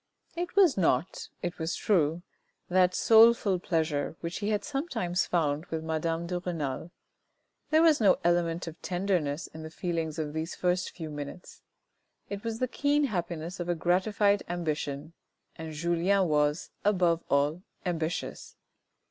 ONE O'CLOCK IN THE MORNING 349 It was not, it was true, that soulful pleasure which he had sometimes found with madame de Renal. There was no element of tenderness in the feelings of these first few minutes. It was the keen happiness of a gratified ambition, and Julien was, above all, ambitious.